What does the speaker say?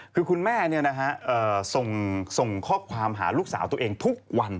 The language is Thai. คือคุณแม่ส่งข้อความหาลูกสาวตัวเองทุกวัน